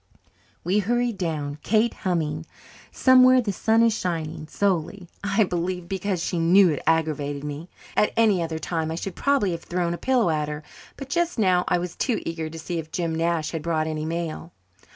We hurried down, Kate humming, "Somewhere the sun is shining," solely, I believe, because she knew it aggravated me. At any other time I should probably have thrown a pillow at her, but just now I was too eager to see if Jim Nash had brought any mail.